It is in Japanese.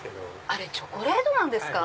あれチョコレートなんですか